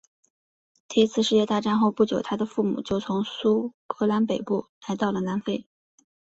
第一次世界大战后不久他的父母就从苏格兰北部来到了南非。